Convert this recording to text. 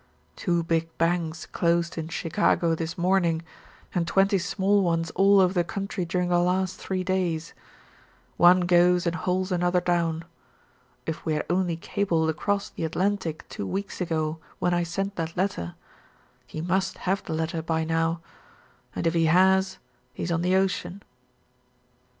Two big banks closed in Chicago this morning, and twenty small ones all over the country during the last three days. One goes and hauls another down. If we had only cabled across the Atlantic two weeks ago when I sent that letter he must have the letter by now and if he has, he's on the ocean."